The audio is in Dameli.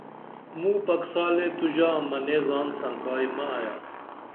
موں پکسالے تو ژا منے زان سنکائی مہ ایا